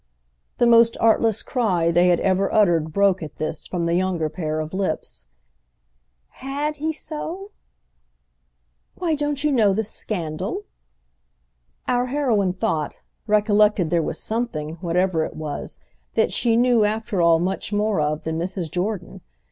The most artless cry they had ever uttered broke, at this, from the younger pair of lips. "Had he so—?" "Why, don't you know the scandal?" Our heroine thought, recollected there was something, whatever it was, that she knew after all much more of than Mrs. Jordan.